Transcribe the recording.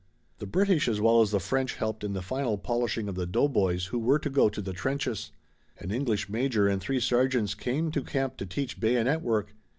The British as well as the French helped in the final polishing of the doughboys who were to go to the trenches. An English major and three sergeants came to camp to teach bayonet work.